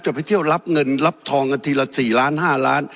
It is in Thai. ไปเที่ยวรับเงินรับทองกันทีละ๔ล้าน๕ล้าน